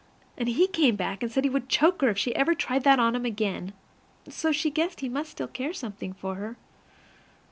And he came back, and said he would choke her if she ever tried that on him again; so she guessed he must still care something for her.